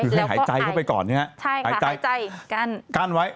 คือให้หายใจเข้าไปก่อนใช่ไหมคะหายใจกั้นกั้นไว้